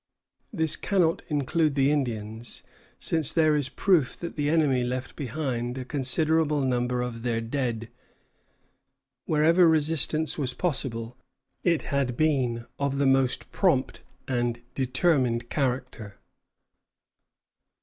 This cannot include the Indians, since there is proof that the enemy left behind a considerable number of their dead. Wherever resistance was possible, it had been of the most prompt and determined character.